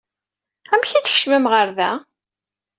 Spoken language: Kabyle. Amek ay d-tkecmem ɣer da?